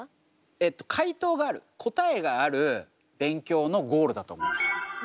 えっと解答がある答えがある勉強のゴールだと思います。